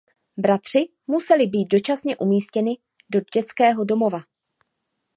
Bratři museli být dočasně umístěni do dětského domova.